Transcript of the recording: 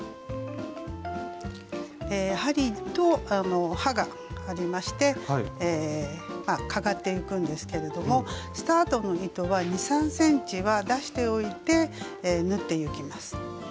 針と刃がありましてかがっていくんですけれどもスタートの糸は２３ｃｍは出しておいて縫っていきます。